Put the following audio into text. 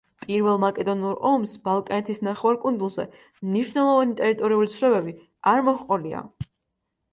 პირველ მაკედონურ ომს ბალკანეთის ნახევარკუნძულზე მნიშვნელოვანი ტერიტორიული ცვლილებები არ მოჰყოლია.